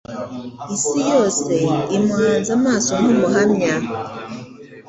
Isi yose imuhanze amaso nk'umuhamya,